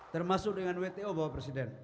termasuk dengan wto bapak presiden